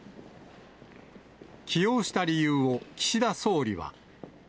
起用した理由を、岸田総理は。